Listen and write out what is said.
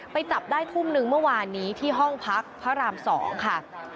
จับได้ทุ่มนึงเมื่อวานนี้ที่ห้องพักพระราม๒ค่ะ